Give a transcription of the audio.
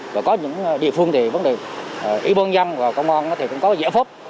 và có những địa phương thì vấn đề y bôn dân và công an thì cũng có giải phóp